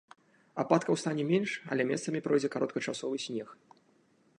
Ападкаў стане менш, але месцамі пройдзе кароткачасовы снег.